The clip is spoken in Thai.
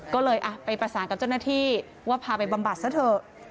ก็เลยไปประสานกับเจ้าหน้าที่ว่าพาไปบำบัดซะเถอะ